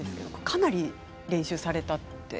かなり練習されたって。